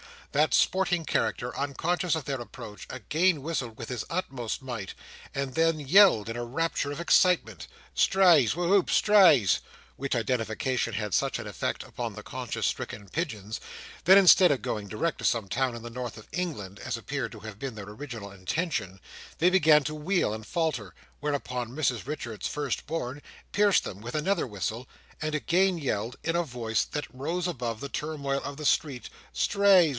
That sporting character, unconscious of their approach, again whistled with his utmost might, and then yelled in a rapture of excitement, "Strays! Whoo oop! Strays!" which identification had such an effect upon the conscience stricken pigeons, that instead of going direct to some town in the North of England, as appeared to have been their original intention, they began to wheel and falter; whereupon Mrs Richards's first born pierced them with another whistle, and again yelled, in a voice that rose above the turmoil of the street, "Strays!